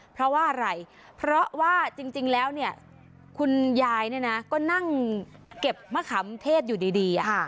เพราะว่าอะไรเพราะว่าจริงแล้วเนี่ยคุณยายเนี่ยนะก็นั่งเก็บมะขามเทศอยู่ดี